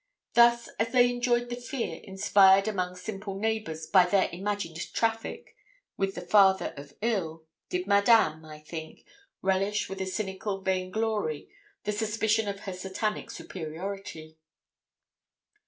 Thus, as they enjoyed the fear inspired among simple neighbours by their imagined traffic with the father of ill, did Madame, I think, relish with a cynical vainglory the suspicion of her satanic superiority.